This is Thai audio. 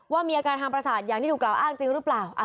มีอาการทางประสาทอย่างที่ถูกกล่าวอ้างจริงหรือเปล่า